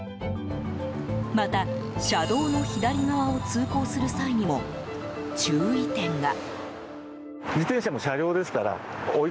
また車道の左側を通行する際にも注意点が。